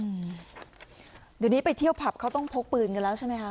เดี๋ยวนี้ไปเที่ยวผับเขาต้องพกปืนกันแล้วใช่ไหมคะ